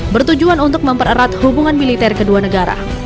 bertujuan untuk mempererat hubungan militer kedua negara